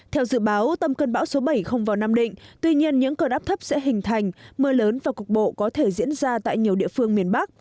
theo dự báo tâm cơn bão số bảy không vào nam định tuy nhiên những cơn áp thấp sẽ hình thành mưa lớn và cục bộ có thể diễn ra tại nhiều địa phương miền bắc